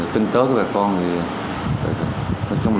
kinh tế của bà con